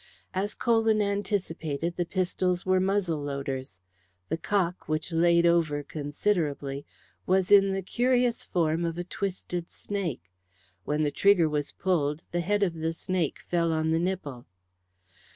As Colwyn anticipated, the pistols were muzzle loaders. The cock, which laid over considerably, was in the curious form of a twisted snake. When the trigger was pulled the head of the snake fell on the nipple.